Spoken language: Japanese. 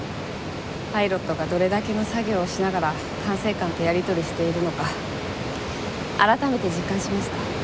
パイロットがどれだけの作業をしながら管制官とやり取りしているのか改めて実感しました。